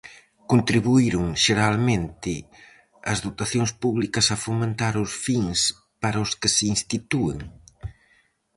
Contribuíron xeralmente as dotacións públicas a fomentar os fins para os que se institúen?